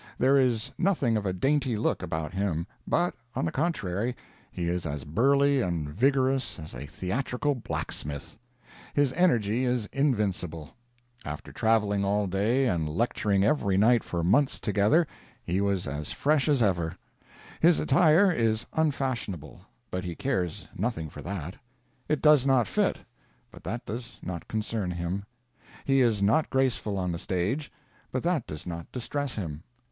There is nothing of a dainty look about him, but, on the contrary, he is as burly and vigorous as a theatrical blacksmith. His energy is invincible. After travelling all day and lecturing every night for months together, he was as fresh as ever. His attire is unfashionable, but he cares nothing for that. It does not fit, but that does not concern him. He is not graceful on the stage, but that does not distress him.